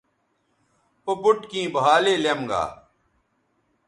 او بُٹ کیں بھالے لیم گا